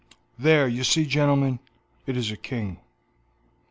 "There, you see, gentleman; it is a king."